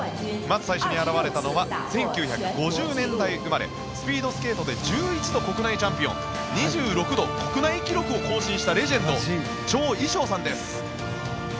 まず最初に現れたのは１９５０年代生まれスピードスケートで１１度国内チャンピオン２６度国内記録を更新したレジェンドチョウ・イショウさんです。